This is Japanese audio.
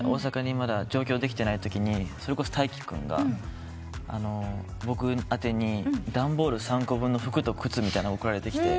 まだ上京できてないときにそれこそ大樹君から僕宛てに段ボール３個分の服と靴みたいなの送られてきて。